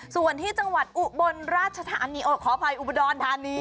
ส่วนที่จังหวัดอุบลราชธานีขออภัยอุดรธานี